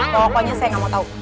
pokoknya saya gak mau tau